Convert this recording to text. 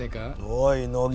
おい乃木